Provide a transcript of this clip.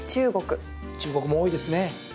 中国も多いですね。